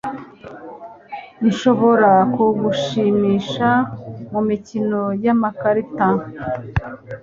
Nshobora kugushimisha mumikino yamakarita?